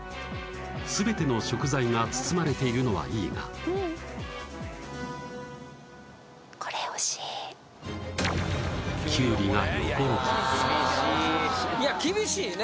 全ての食材が包まれているのはいいがきゅうりが横置きいや厳しいね